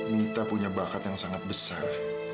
mita punya bakat yang sangat besar